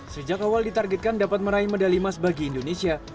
sejak awal ditargetkan dapat meraih medali emas bagi indonesia